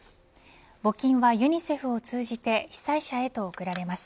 募金はユニセフを通じて被災者へと送られます。